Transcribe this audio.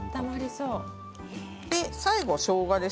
最後しょうがです。